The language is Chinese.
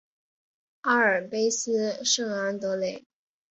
阿尔卑斯圣昂德雷。